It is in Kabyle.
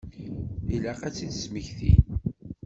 Ilaq ad tt-id-smektin.